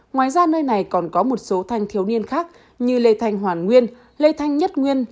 ngoài ra nơi này còn có một số thanh thiếu niên khác như lê thanh hoàn nguyên lê thanh nhất nguyên